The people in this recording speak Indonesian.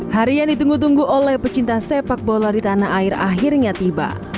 hari yang ditunggu tunggu oleh pecinta sepak bola di tanah air akhirnya tiba